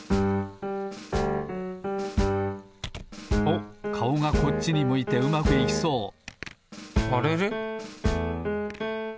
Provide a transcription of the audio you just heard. おっかおがこっちに向いてうまくいきそうあれれ？